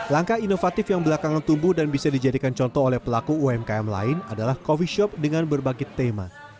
langkah inovatif yang belakangan tumbuh dan bisa dijadikan contoh oleh pelaku umkm lain adalah coffee shop dengan berbagai tema